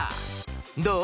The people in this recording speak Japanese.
どう？